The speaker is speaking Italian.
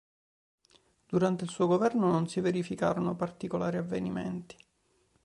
Durante il suo governo non si verificarono particolari avvenimenti.